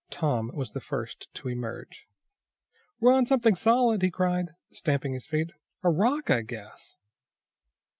Tom was the first to emerge. "We're on something solid!" he cried, stamping his feet. "A rock, I guess."